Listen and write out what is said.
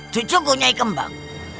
cucu gue nyai kembang